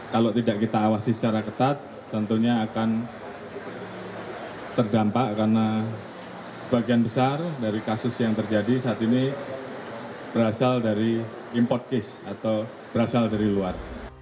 kalau tidak kita awasi secara ketat tentunya akan terdampak karena sebagian besar dari kasus yang terjadi saat ini berasal dari import case atau berasal dari luar